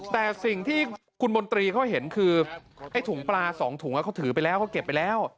แต่สิ่งที่คุณมนตรีเขาเห็นคือไอ้ถุงปลา๒ถุงเขาถือไปแล้วเขาเก็บไปแล้ว